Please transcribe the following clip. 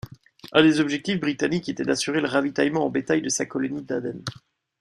Un des objectifs britanniques était d'assurer le ravitaillement en bétail de sa colonie d'Aden.